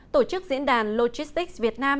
tổ chức diễn đàn logistics việt nam